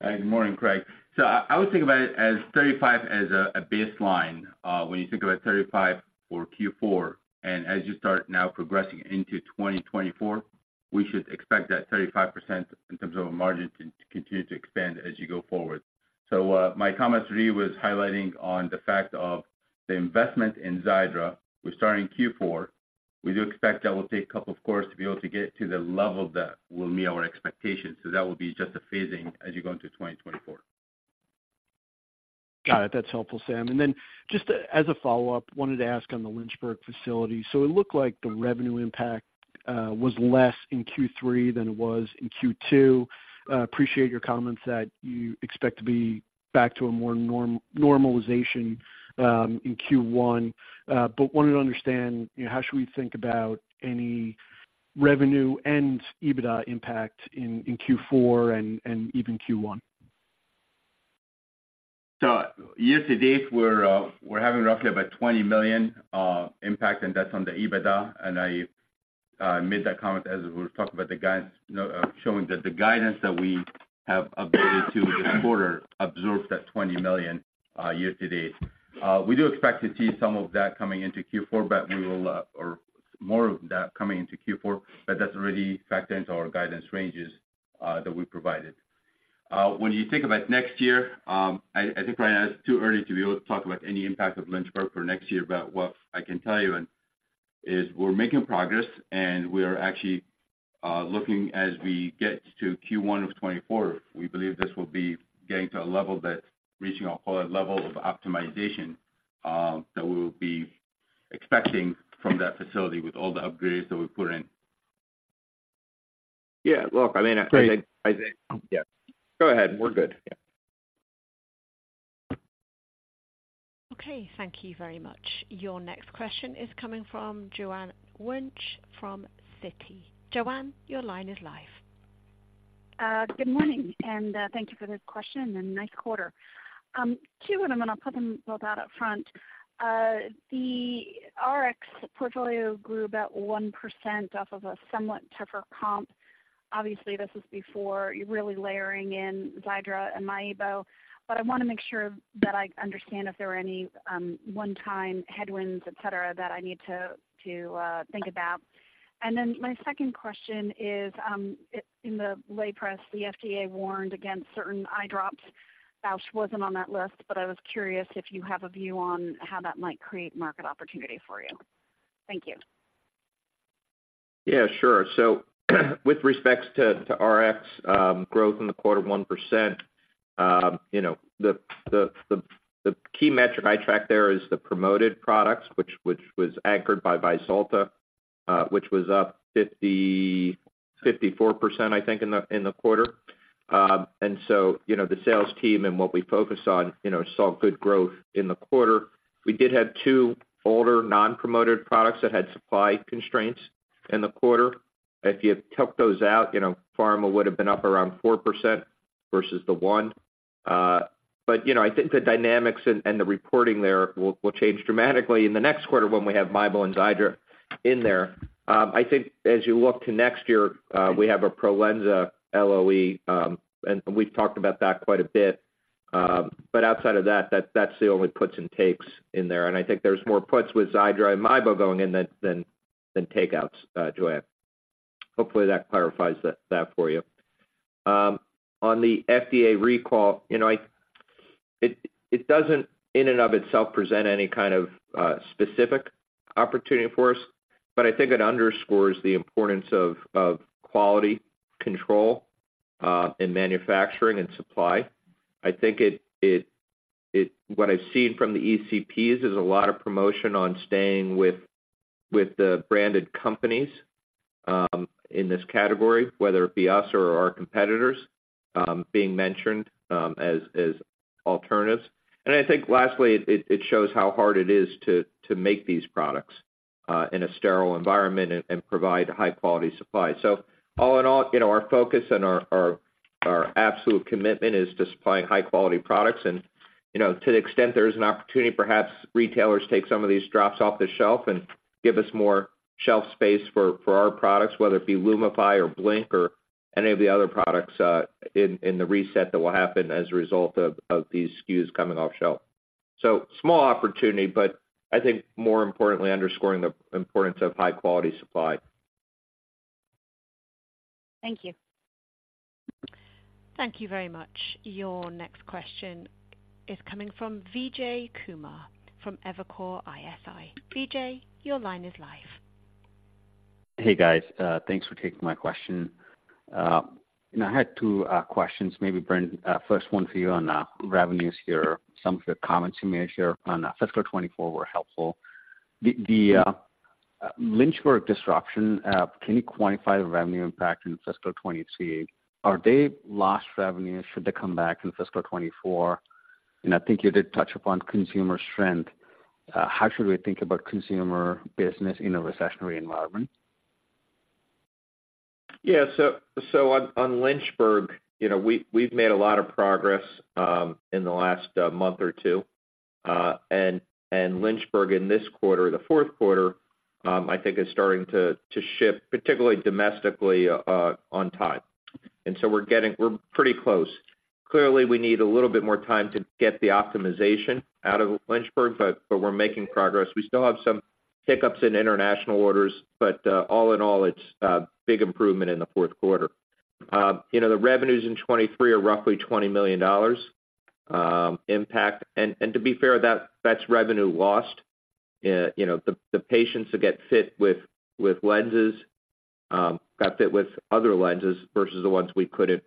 Good morning, Craig. So I would think about it as 35 as a baseline. When you think about 35 for Q4, and as you start now progressing into 2024, we should expect that 35% in terms of a margin to continue to expand as you go forward. So my comments really was highlighting on the fact of the investment in Xiidra. We're starting Q4. We do expect that will take a couple of quarters to be able to get to the level that will meet our expectations. So that will be just a phasing as you go into 2024. Got it. That's helpful, Sam. And then just as a follow-up, wanted to ask on the Lynchburg facility. So it looked like the revenue impact was less in Q3 than it was in Q2. Appreciate your comments that you expect to be back to a more normalization in Q1, but wanted to understand, you know, how should we think about any revenue and EBITDA impact in Q4 and even Q1? So year-to-date, we're having roughly about $20 million impact, and that's on the EBITDA. I made that comment as we were talking about the guidance, showing that the guidance that we have updated to the quarter absorbs that $20 million year-to-date. We do expect to see some of that coming into Q4, but we will or more of that coming into Q4, but that's already factored into our guidance ranges that we provided. When you think about next year, I think right now it's too early to be able to talk about any impact of Lynchburg for next year, but what I can tell you and is we're making progress, and we are actually looking as we get to Q1 of 2024. We believe this will be getting to a level that reaching our full level of optimization, that we will be expecting from that facility with all the upgrades that we put in. Yeah, look, I mean, I think- Great. Yeah, go ahead. We're good. Yeah. Okay, thank you very much. Your next question is coming from Joanne Wuensch from Citi. Joanne, your line is live. Good morning, and thank you for this question and a nice quarter. Two, and I'm gonna put them both out up front. The Rx portfolio grew about 1% off of a somewhat tougher comp. Obviously, this is before you're really layering in Xiidra and MIEBO, but I wanna make sure that I understand if there are any one-time headwinds, et cetera, that I need to think about. And then my second question is, in the lay press, the FDA warned against certain eye drops. Bausch wasn't on that list, but I was curious if you have a view on how that might create market opportunity for you. Thank you. Yeah, sure. So with respect to Rx growth in the quarter, 1%, you know, the key metric I track there is the promoted products, which was anchored by Vyzulta, which was up 54%, I think, in the quarter. And so, you know, the sales team and what we focus on, you know, saw good growth in the quarter. We did have two older non-promoted products that had supply constraints in the quarter. If you took those out, you know, pharma would have been up around 4% versus the 1%. But, you know, I think the dynamics and the reporting there will change dramatically in the next quarter when we have MIEBO and Xiidra in there. I think as you look to next year, we have a Prolensa LOE, and we've talked about that quite a bit. But outside of that, that's the only puts and takes in there. And I think there's more puts with Xiidra and MIEBO going in than takeouts, Joanne. Hopefully, that clarifies that for you. On the FDA recall, you know, it doesn't in and of itself present any kind of specific opportunity for us, but I think it underscores the importance of quality control in manufacturing and supply. I think what I've seen from the ECPs is a lot of promotion on staying with the branded companies in this category, whether it be us or our competitors being mentioned as alternatives. I think lastly, it shows how hard it is to make these products in a sterile environment and provide high-quality supply. So all in all, you know, our focus and our absolute commitment is to supplying high-quality products. And, you know, to the extent there is an opportunity, perhaps retailers take some of these drops off the shelf and give us more shelf space for our products, whether it be Lumify or Blink or any of the other products in the reset that will happen as a result of these SKUs coming off shelf. So small opportunity, but I think more importantly, underscoring the importance of high-quality supply. Thank you. Thank you very much. Your next question is coming from Vijay Kumar from Evercore ISI. Vijay, your line is live. Hey, guys, thanks for taking my question. You know, I had two questions, maybe Brent, first one for you on revenues here. Some of your comments you made here on fiscal 2024 were helpful. The Lynchburg disruption, can you quantify the revenue impact in fiscal 2022? Are they lost revenues? Should they come back in fiscal 2024? And I think you did touch upon consumer strength. How should we think about consumer business in a recessionary environment? Yeah, so on Lynchburg, you know, we've made a lot of progress in the last month or two. And Lynchburg in this quarter, the fourth quarter, I think is starting to ship, particularly domestically, on time. And so we're getting... We're pretty close. Clearly, we need a little bit more time to get the optimization out of Lynchburg, but we're making progress. We still have some hiccups in international orders, but all in all, it's a big improvement in the fourth quarter. You know, the revenues in 2023 are roughly $20 million impact. And to be fair, that's revenue lost. You know, the patients that get fit with lenses got fit with other lenses versus the ones we couldn't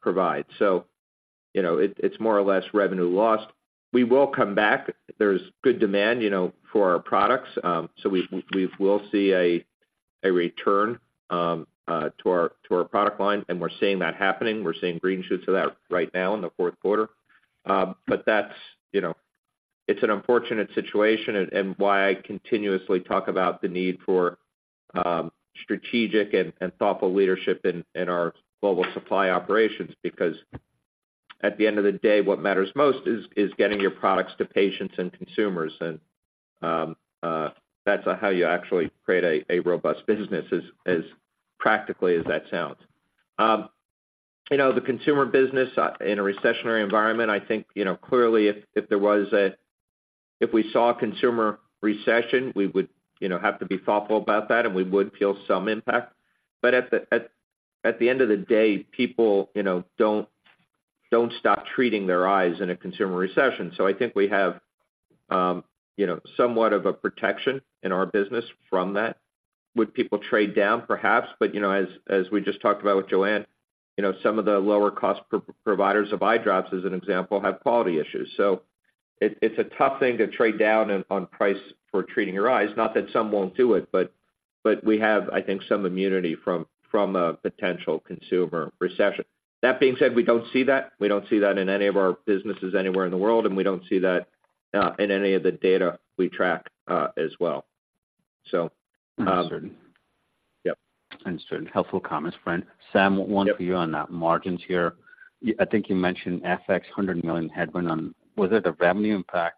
provide. So, you know, it's more or less revenue lost. We will come back. There's good demand, you know, for our products, so we will see a return to our product line, and we're seeing that happening. We're seeing green shoots of that right now in the fourth quarter. But that's, you know, it's an unfortunate situation and why I continuously talk about the need for strategic and thoughtful leadership in our global supply operations. Because at the end of the day, what matters most is getting your products to patients and consumers. That's how you actually create a robust business, as practically as that sounds. You know, the consumer business in a recessionary environment, I think, you know, clearly, if we saw a consumer recession, we would, you know, have to be thoughtful about that and we would feel some impact. But at the end of the day, people, you know, don't stop treating their eyes in a consumer recession. So I think we have, you know, somewhat of a protection in our business from that. Would people trade down? Perhaps. But, you know, as we just talked about with Joanne, you know, some of the lower-cost providers of eye drops, as an example, have quality issues. So it's a tough thing to trade down on price for treating your eyes. Not that some won't do it, but we have, I think, some immunity from a potential consumer recession. That being said, we don't see that. We don't see that in any of our businesses anywhere in the world, and we don't see that in any of the data we track, as well. So, Understood. Yep. Understood. Helpful comments, friend. Sam, one for you on the margins here. I think you mentioned FX $100 million headwind on... Was it a revenue impact?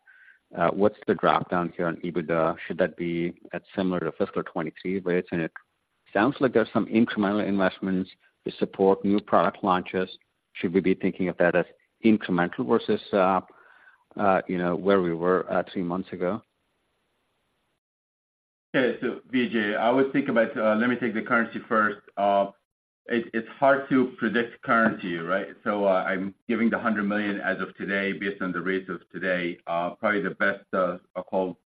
What's the drop down here on EBITDA? Should that be at similar to fiscal 2023 rates? And it sounds like there's some incremental investments to support new product launches. Should we be thinking of that as incremental versus, you know, where we were at two months ago? Okay. So Vijay, I would think about, let me take the currency first. It's hard to predict currency, right? So, I'm giving the $100 million as of today, based on the rates of today. Probably the best called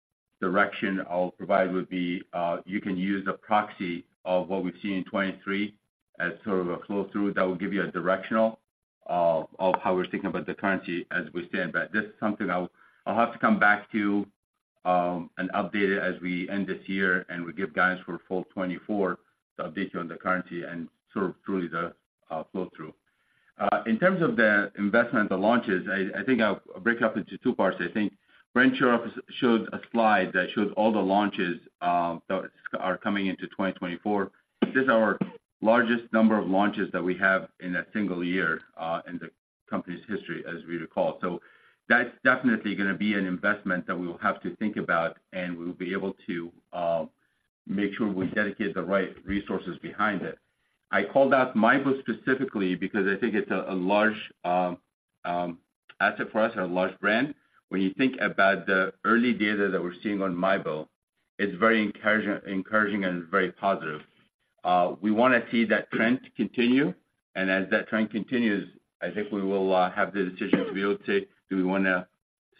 direction I'll provide would be, you can use a proxy of what we've seen in 2023 as sort of a flow-through. That will give you a directional of how we're thinking about the currency as we stand. But this is something I'll, I'll have to come back to, and update it as we end this year, and we give guidance for full 2024 to update you on the currency and sort of truly the flow-through. In terms of the investment, the launches, I, I think I'll break up into two parts. I think Brent showed a slide that shows all the launches that are coming into 2024. This is our largest number of launches that we have in a single year in the company's history, as we recall. So that's definitely gonna be an investment that we will have to think about, and we'll be able to make sure we dedicate the right resources behind it. I called out MIEBO specifically because I think it's a large asset for us and a large brand. When you think about the early data that we're seeing on MIEBO, it's very encouraging and very positive. We wanna see that trend continue, and as that trend continues, I think we will have the decisions we will take. Do we wanna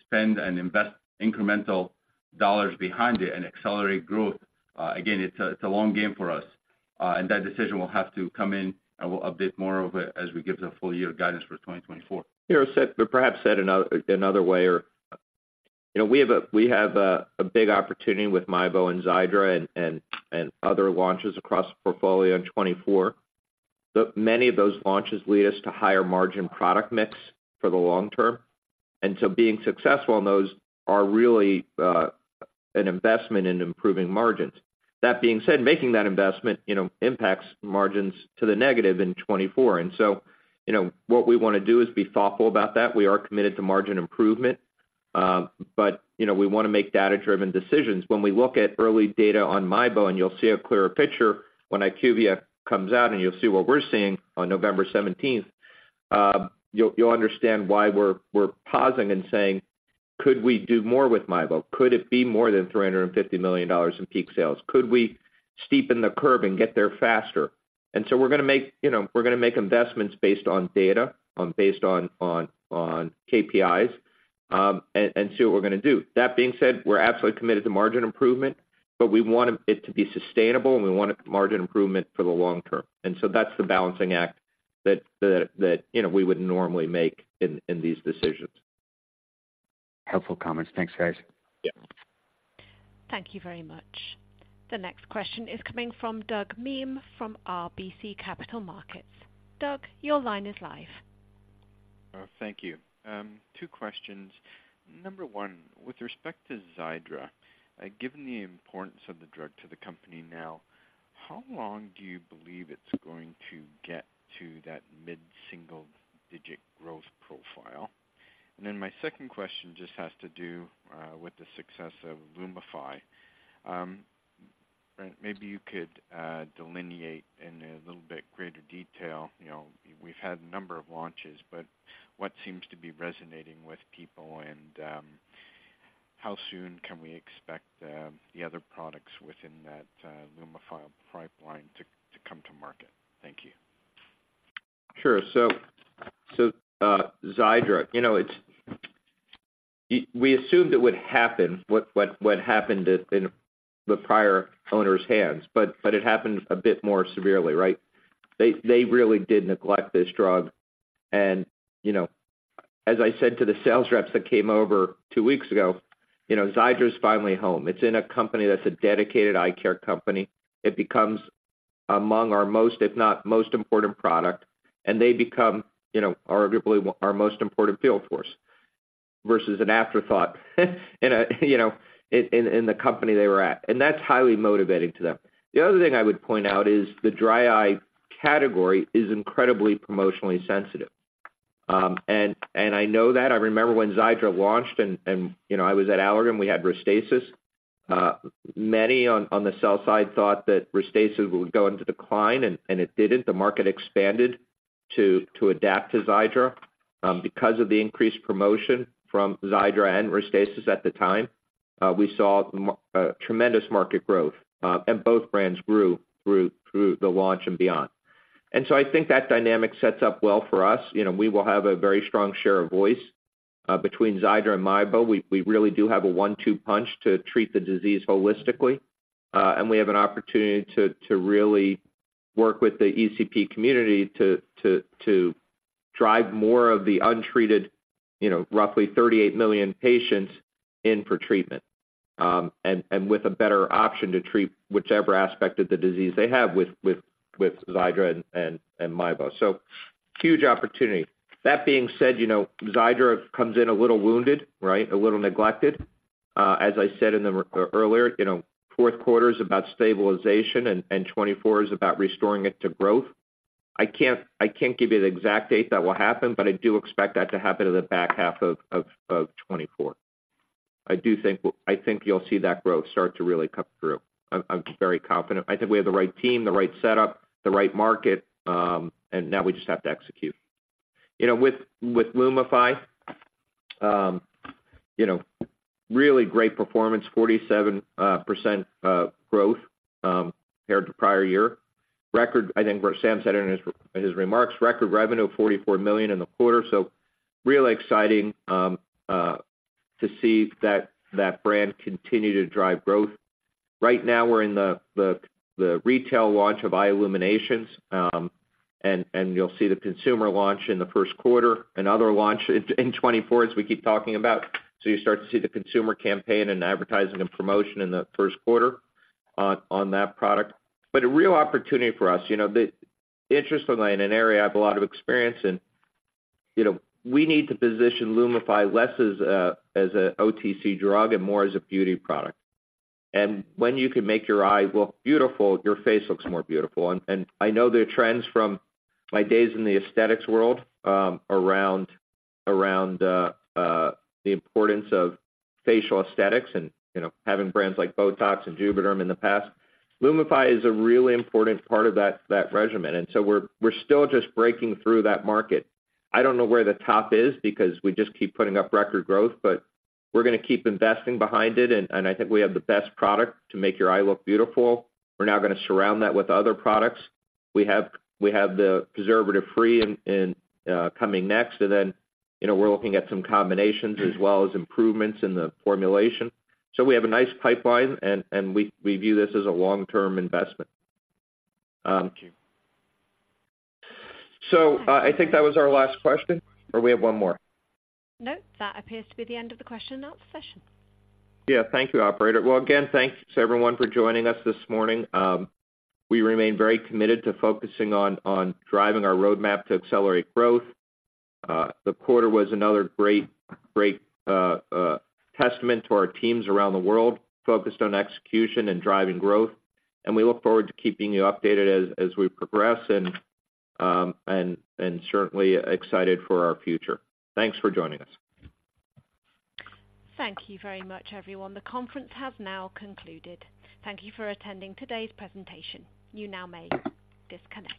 spend and invest incremental dollars behind it and accelerate growth. Again, it's a long game for us. That decision will have to come in, and we'll update more of it as we give the full year guidance for 2024. Yeah, but perhaps said another way, or, you know, we have a big opportunity with MIEBO and Xiidra and other launches across the portfolio in 2024. But many of those launches lead us to higher margin product mix for the long term. And so being successful in those are really an investment in improving margins. That being said, making that investment, you know, impacts margins to the negative in 2024. And so, you know, what we wanna do is be thoughtful about that. We are committed to margin improvement, but, you know, we wanna make data-driven decisions. When we look at early data on MIEBO, and you'll see a clearer picture when IQVIA comes out, and you'll see what we're seeing on November seventeenth, you'll understand why we're pausing and saying, "Could we do more with MIEBO? Could it be more than $350 million in peak sales? Could we steepen the curve and get there faster?" And so we're gonna make, you know, we're gonna make investments based on data, based on KPIs, and see what we're gonna do. That being said, we're absolutely committed to margin improvement, but we want it to be sustainable, and we want margin improvement for the long term. And so that's the balancing act that, you know, we would normally make in these decisions. Helpful comments. Thanks, guys. Yeah. Thank you very much. The next question is coming from Doug Miehm, from RBC Capital Markets. Doug, your line is live. Thank you. Two questions. Number one, with respect to Xiidra, given the importance of the drug to the company now, how long do you believe it's going to get to that mid-single-digit growth profile? And then my second question just has to do with the success of Lumify. Maybe you could delineate in a little bit greater detail, you know, we've had a number of launches, but what seems to be resonating with people, and how soon can we expect the other products within that Lumify pipeline to come to market? Thank you. Sure. So, Xiidra, you know, it's. We assumed it would happen, what happened in the prior owner's hands, but it happened a bit more severely, right? They really did neglect this drug. And, you know, as I said to the sales reps that came over two weeks ago, you know, Xiidra's finally home. It's in a company that's a dedicated eye care company. It becomes among our most, if not most important product, and they become, you know, arguably our most important field force, versus an afterthought, in a, you know, in the company they were at. And that's highly motivating to them. The other thing I would point out is the dry eye category is incredibly promotionally sensitive, and I know that. I remember when Xiidra launched and, you know, I was at Allergan, we had Restasis. Many on the sell side thought that Restasis would go into decline, and it didn't. The market expanded to adapt to Xiidra. Because of the increased promotion from Xiidra and Restasis at the time, we saw tremendous market growth, and both brands grew through the launch and beyond. And so I think that dynamic sets up well for us. You know, we will have a very strong share of voice, between Xiidra and MIEBO. We really do have a one-two punch to treat the disease holistically. And we have an opportunity to really work with the ECP community to drive more of the untreated, you know, roughly 38 million patients in for treatment. And with a better option to treat whichever aspect of the disease they have with Xiidra and MIEBO. So huge opportunity. That being said, you know, Xiidra comes in a little wounded, right? A little neglected. As I said earlier, you know, fourth quarter is about stabilization, and 2024 is about restoring it to growth. I can't give you the exact date that will happen, but I do expect that to happen in the back half of 2024. I think you'll see that growth start to really come through. I'm very confident. I think we have the right team, the right setup, the right market, and now we just have to execute. You know, with Lumify, you know, really great performance, 47% growth compared to prior year. Record, I think what Sam said in his remarks, record revenue, $44 million in the quarter. So really exciting to see that brand continue to drive growth. Right now, we're in the retail launch of Eye Illuminations, and you'll see the consumer launch in the first quarter, another launch in 2024, as we keep talking about. So you start to see the consumer campaign and advertising and promotion in the first quarter on that product. But a real opportunity for us, you know, interestingly, in an area I have a lot of experience in, you know, we need to position Lumify less as an OTC drug and more as a beauty product. And when you can make your eye look beautiful, your face looks more beautiful. And I know there are trends from my days in the aesthetics world, around the importance of facial aesthetics and, you know, having brands like Botox and Juvéderm in the past. Lumify is a really important part of that regimen, and so we're still just breaking through that market. I don't know where the top is because we just keep putting up record growth, but we're gonna keep investing behind it, and I think we have the best product to make your eye look beautiful. We're now gonna surround that with other products. We have the preservative free and coming next, and then, you know, we're looking at some combinations as well as improvements in the formulation. So we have a nice pipeline, and we view this as a long-term investment. Thank you. So, I think that was our last question, or we have one more? Nope, that appears to be the end of the question and answer session. Yeah. Thank you, operator. Well, again, thanks, everyone, for joining us this morning. We remain very committed to focusing on driving our roadmap to accelerate growth. The quarter was another great testament to our teams around the world, focused on execution and driving growth. We look forward to keeping you updated as we progress and certainly excited for our future. Thanks for joining us. Thank you very much, everyone. The conference has now concluded. Thank you for attending today's presentation. You now may disconnect.